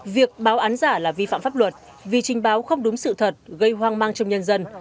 việc báo án giả là vi phạm pháp luật vì trình báo không đúng sự thật gây hoang mang trong nhân dân